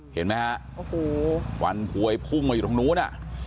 เห็นไหมฮะวันพวยพุ่งมาอยู่ตรงนู้นนะ